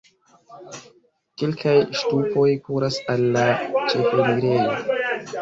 Kelkaj ŝtupoj kuras al la ĉefenirejo.